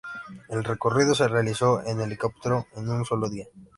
El recorrido se realizó en helicóptero en un solo día.